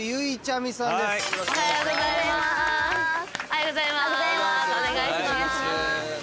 おはようございまーす。